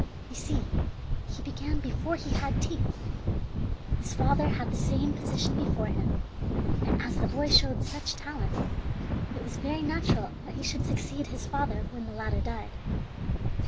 You see, he began before he had teeth. His father had the same position before him, and as the boy showed such talent, it was very natural that he should succeed his father when the latter died.